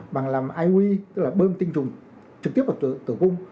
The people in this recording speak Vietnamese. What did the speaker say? bằng làm ioi tức là bơm tinh trùng trực tiếp vào tổ cung